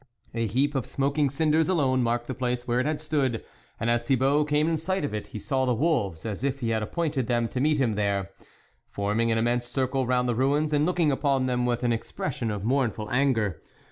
A heap of smoking cinders alone marked the place where it had stood ; and as Thibault came in sight of it, he saw the wolves, as if he had appointed them to meet him there, forming an immense circle round the ruins, and looking upon them with an expression of mournful anger.